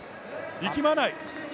力まない！